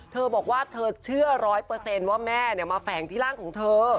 เธอบอกว่าเธอเชื่อร้อยเปอร์เซ็นต์ว่าแม่เนี่ยมาแฝ่งที่ร่างของเธอ